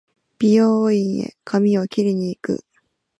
美容院へ髪を切りに行く